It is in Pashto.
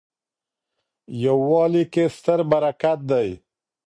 یووالي کي ستر برکت دی.